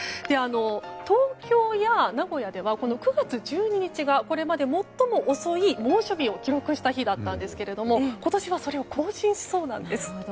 東京や名古屋では９月１２日がこれまで最も遅い猛暑日を記録した日だったんですが今年はそれを更新しそうなんです。